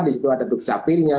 disitu ada dukcapilnya